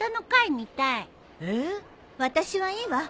私はいいわ。